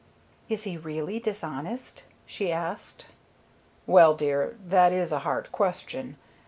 "Is he really dishonest?" she asked. "Well, dear, that is a hard question.